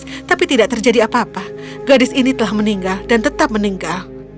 tapi tidak terjadi apa apa gadis ini telah meninggal dan tetap meninggal